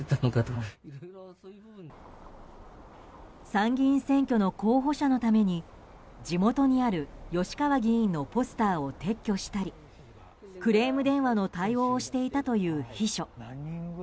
参議院選挙の候補者のために地元にある吉川議員のポスターを撤去したりクレーム電話の対応をしていたという秘書。